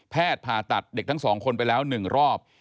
ผ่าตัดเด็กทั้งสองคนไปแล้ว๑รอบ